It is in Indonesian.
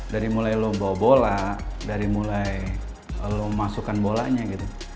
dari mulai lo bawa bola dari mulai lo memasukkan bolanya gitu